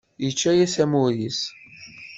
Yečča-yas amur-is.